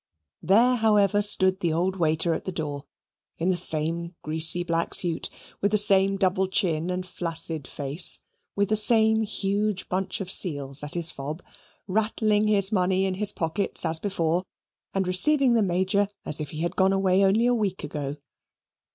There, however, stood the old waiter at the door, in the same greasy black suit, with the same double chin and flaccid face, with the same huge bunch of seals at his fob, rattling his money in his pockets as before, and receiving the Major as if he had gone away only a week ago.